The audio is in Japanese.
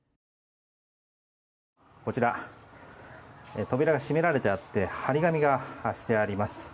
こちら扉が閉められてあって張り紙がしてあります。